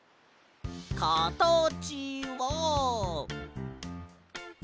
かたちは。